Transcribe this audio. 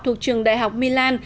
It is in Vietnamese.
thuộc trường đại học milan